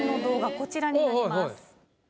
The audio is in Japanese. こちらになります。